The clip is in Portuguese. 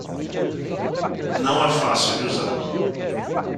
Não é fácil de usar